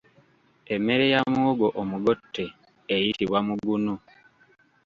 Emmere ya muwogo omugotte eyitibwa mugunu.